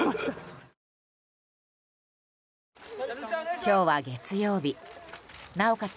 今日は月曜日なおかつ